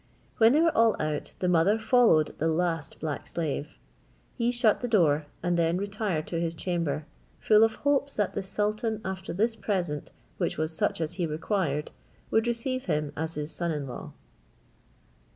When they were all out, the mother followed the last black slave; he shut the door, and then retired to his chamber, full of hopes that the sultan, after this present, which was such as he required, would receive him as his son in law.